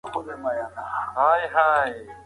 د سیاسي او ټولنیزو علومو ترمنځ ډېر توپیر نسته.